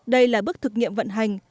đây là bước thực nghiệm vận hành